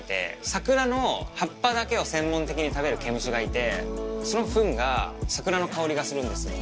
桜の葉っぱだけを専門的に食べる毛虫がいてそのふんが桜の香りがするんですよ。